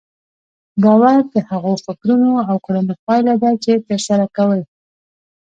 باور د هغو فکرونو او کړنو پايله ده چې ترسره کوئ.